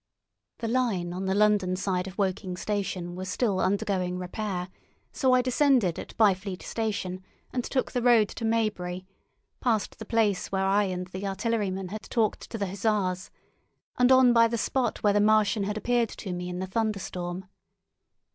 The line on the London side of Woking station was still undergoing repair, so I descended at Byfleet station and took the road to Maybury, past the place where I and the artilleryman had talked to the hussars, and on by the spot where the Martian had appeared to me in the thunderstorm.